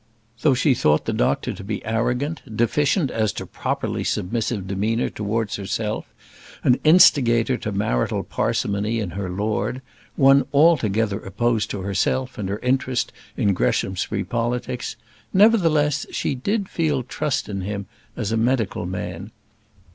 Though she thought the doctor to be arrogant, deficient as to properly submissive demeanour towards herself, an instigator to marital parsimony in her lord, one altogether opposed to herself and her interest in Greshamsbury politics, nevertheless, she did feel trust in him as a medical man.